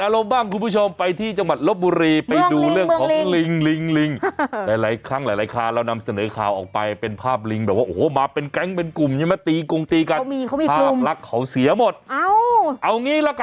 แล้วติดตามความต่อนะครับกับทางไทยรัฐเรานะคะ